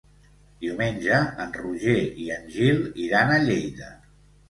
Diumenge en Roger i en Gil iran a Lleida.